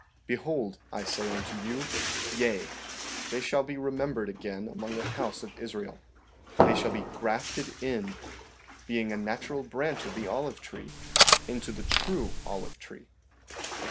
15:16 Behold, I say unto you, Yea; they shall be remembered again among the house of Israel; they shall be grafted in, being a natural branch of the olive tree, into the true olive tree.